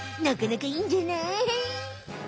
なかなかいいんじゃない？